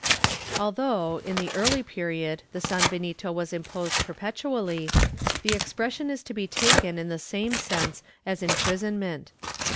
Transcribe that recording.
® Although, in the early period, the sanbenito was imposed per petually, the expression is to be taken in the same sense as imprison ment.